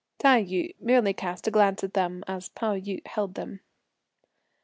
Tai yü merely cast a glance at them, as Pao yü held them.